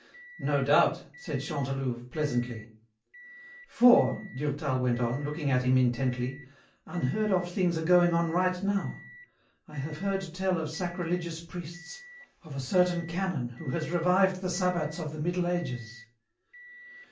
"No doubt," said Chantelouve, pleasantly. "For," Durtal went on, looking at him intently, "unheard of things are going on right now. I have heard tell of sacrilegious priests, of a certain canon who has revived the sabbats of the Middle Ages."